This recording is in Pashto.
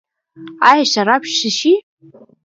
ایا شراب څښئ؟